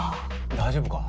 大丈夫か？